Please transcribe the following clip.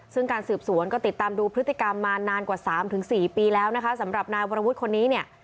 ซึ่งการสืบสวนก็ติดตามดูพฤติกรรมมานานกว่า๓๔ปีแล้วนะคะสำหรับนายวรวุฒิคนนี้เนี่ย